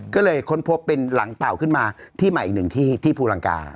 ก็เลยค้นพบเป็นหลังเต่าขึ้นมาที่ใหม่อีกหนึ่งที่ที่ภูลังกา